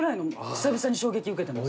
久々に衝撃受けてます。